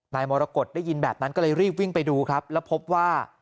มรกฏได้ยินแบบนั้นก็เลยรีบวิ่งไปดูครับแล้วพบว่า